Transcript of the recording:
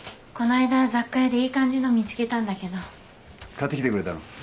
買ってきてくれたの？